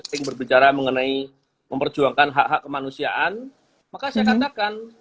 yang berbicara mengenai memperjuangkan hak hak kemanusiaan maka saya katakan